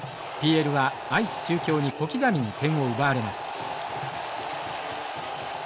ＰＬは愛知中京に小刻みに点を奪われます。